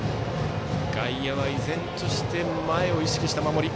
外野は依然として前を意識した守り。